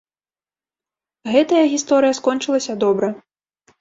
Гэтая гісторыя скончылася добра.